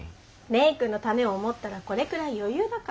蓮くんのためを思ったらこれくらい余裕だから。